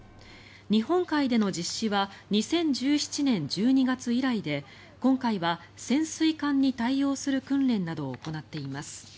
日本海での実施は２０１７年１２月以来で今回は潜水艦に対応する訓練などを行っています。